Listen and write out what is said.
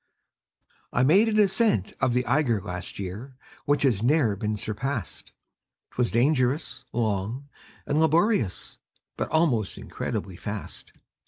I made an ascent of the Eiger Last year, which has ne'er been surpassed; 'Twas dangerous, long, and laborious, But almost incredibly fast.